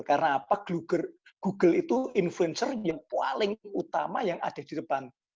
karena apa google itu influencer yang paling utama yang ada di depan